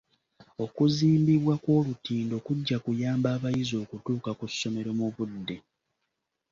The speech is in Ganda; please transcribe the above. Okuzimbibwa kw'olutindo kujja kuyamba abayizi okutuuka ku ssomero mu budde.